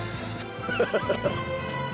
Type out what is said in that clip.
ハハハハハ。